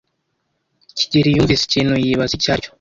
kigeli yumvise ikintu yibaza icyo aricyo.